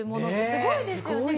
すごいですよね